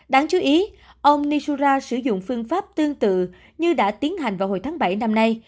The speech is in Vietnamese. đáng chú ý ông nisura sử dụng phương pháp tương tự như đã tiến hành vào hồi tháng bảy năm nay